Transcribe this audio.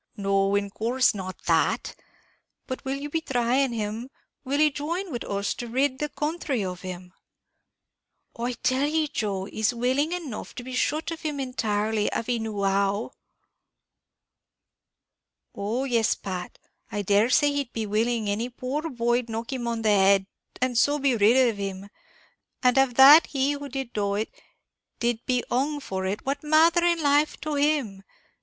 "No, in course not that; but will you be thrying him, will he join wid us to rid the counthry of him?" "I tell ye, Joe, he's willing enough to be shut of him entirely, av he knew how." "Oh yes, Pat, I dare say he'd be willing any poor boy'd knock him on the head, and so be rid of him; and av that he who did do it, did be hung for it, what matther in life to him?